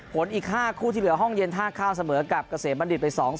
อีก๕คู่ที่เหลือห้องเย็นท่าข้ามเสมอกับเกษมบัณฑิตไป๒๐